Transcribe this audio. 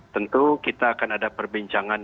tentu kita akan ada perbincangan